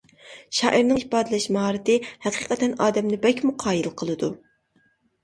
شائىرنىڭ ئىپادىلەش ماھارىتى ھەقىقەتەن ئادەمنى بەكمۇ قايىل قىلىدۇ.